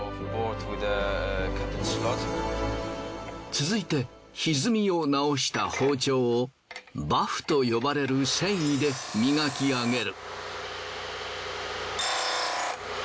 続いて歪みを直した包丁をバフと呼ばれる繊維で磨きあげる。